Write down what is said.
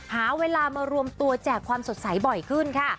หาเวลามารวมตัวแจกความสดใสบ่อยขึ้นค่ะ